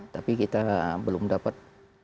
tapi kita belum dapat